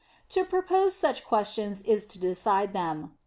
To propose such questions is to decide them.